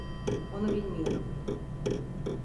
Onu bilmiyorum.